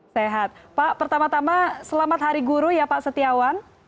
sehat pak pertama tama selamat hari guru ya pak setiawan